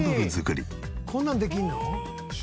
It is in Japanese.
こんなんできるの？